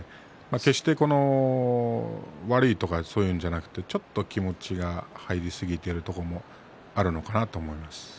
決して悪いとかそういうのじゃなくてちょっと気持ちが入りすぎているところもあるのかなと。